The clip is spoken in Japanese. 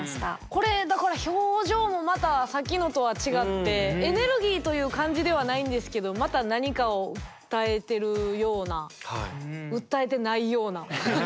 これだから表情もまたさっきのとは違ってエネルギーという感じではないんですけどまた何かを訴えてるような訴えてないような。